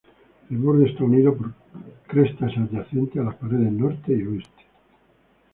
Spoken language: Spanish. El borde está unido por crestas adyacentes a las paredes norte y oeste.